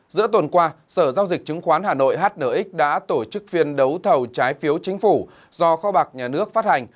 giữa tuần qua sở giao dịch chứng khoán hà nội hnx đã tổ chức phiên đấu thầu trái phiếu chính phủ do kho bạc nhà nước phát hành